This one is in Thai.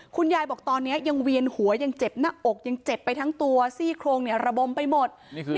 คุณยายบอกตอนนี้ยังเวียนหัวยังเจ็บหน้าอกยังเจ็บไปทั้งตัวซี่โครงระบมไปหมด